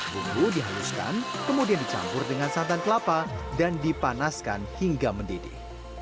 bumbu dihaluskan kemudian dicampur dengan santan kelapa dan dipanaskan hingga mendidih